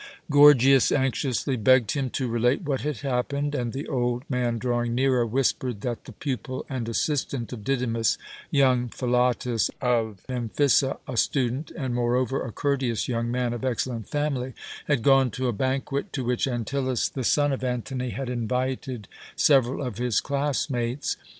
Gorgias anxiously begged him to relate what had happened, and the old man, drawing nearer, whispered that the pupil and assistant of Didymus young Philotas of Amphissa, a student, and, moreover, a courteous young man of excellent family had gone to a banquet to which Antyllus, the son of Antony, had invited several of his classmates.